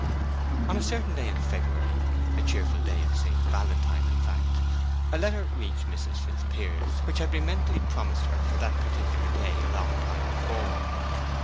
On a certain day in February—the cheerful day of St. Valentine, in fact—a letter reached Mrs. Fitzpiers, which had been mentally promised her for that particular day a long time before.